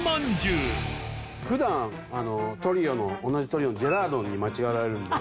普段トリオの同じトリオのジェラードンに間違えられるので。